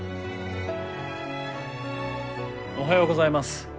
おはようございます。